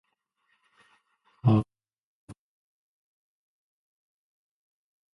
However, many other county men served in the Confederate Army.